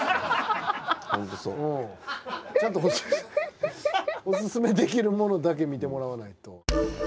ちゃんとおすすめできるものだけ見てもらわないと。